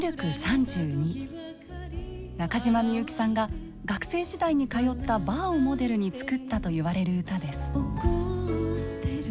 中島みゆきさんが学生時代に通ったバーをモデルに作ったと言われる歌です。